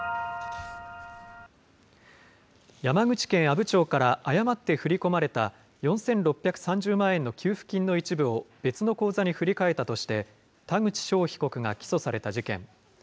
山口県阿武町から誤って振り込まれた、４６３０万円の給付金の一部を別の口座に振り替えたとして、田口翔被告が起訴された事件。